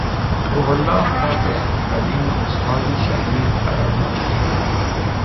روح الله تحت تعلیم استادی شهیر عربی آموخت.